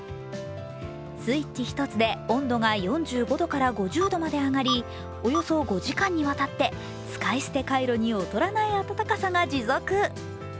スイッチ１つで温度が４５度から５０度まで上がり、およそ５時間にわたって使い捨てカイロに劣らない温かさが持続。